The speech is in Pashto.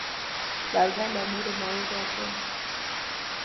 لرګی له نورو موادو ارزانه وي.